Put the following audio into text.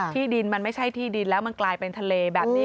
ที่ดินมันไม่ใช่ที่ดินแล้วมันกลายเป็นทะเลแบบนี้